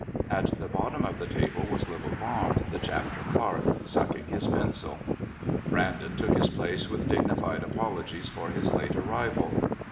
At the bottom of the table was little Bond, the Chapter Clerk, sucking his pencil. Brandon took his place with dignified apologies for his late arrival.